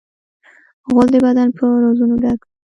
غول د بدن په رازونو ډک دی.